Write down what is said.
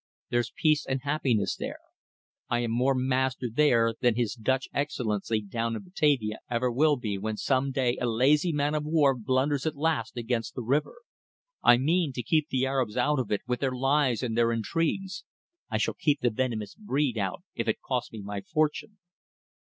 There's peace and happiness there. I am more master there than his Dutch Excellency down in Batavia ever will be when some day a lazy man of war blunders at last against the river. I mean to keep the Arabs out of it, with their lies and their intrigues. I shall keep the venomous breed out, if it costs me my fortune."